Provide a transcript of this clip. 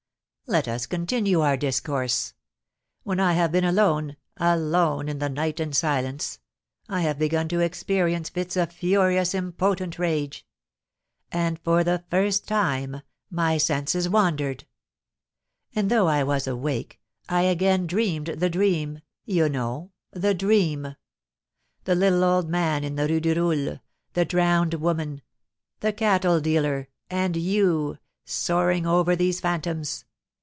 Let us continue our discourse. When I have been alone alone in the night and silence I have begun to experience fits of furious, impotent rage; and, for the first time, my senses wandered. Oh! though I was awake, I again dreamed the dream you know the dream. The little old man in the Rue du Roule, the drowned woman, the cattle dealer, and you soaring over these phantoms!